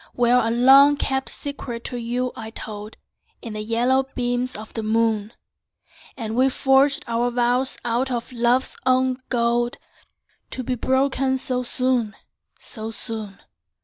Where a long kept secret to you I told, In the yellow beams of the moon, And we forged our vows out of love's own gold, To be broken so soon, so soon!